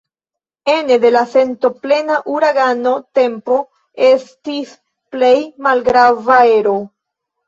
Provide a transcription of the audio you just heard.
Ene de sentoplena uragano tempo estis plej malgrava ero.